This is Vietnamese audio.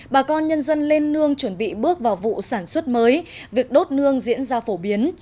bà con nhân dân lên nương chuẩn bị bước vào vụ sản xuất mới việc đốt nương diễn ra phổ biến